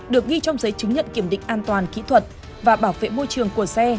được ghi trong giấy chứng nhận kiểm định an toàn kỹ thuật và bảo vệ môi trường của xe